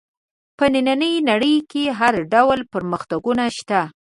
په نننۍ نړۍ کې هر ډول پرمختګونه شته.